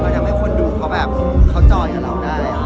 มันยังให้คนดูเขาเจาะกับเราได้